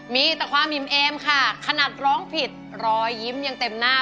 มีแต่ความอิ่มเอมค่ะขนาดร้องผิดรอยยิ้มยังเต็มหน้า